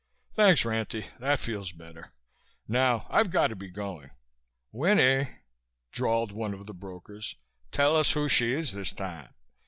"Thanks, Ranty, that feels better. Now I've got to be going." "Winnie," drawled one of the brokers, "tell us who she is this time.